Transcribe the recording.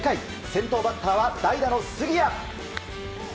先頭バッターは代打の杉谷。